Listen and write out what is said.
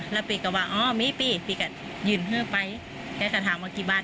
แล้วปีกะว่าอ๋อมีปีปีกะยืนเพื่อไปแกกะถามว่ากี่บาท